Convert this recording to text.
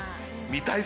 見たい！